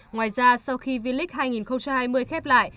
ngoài ra sau khi v league hai nghìn hai mươi khép lại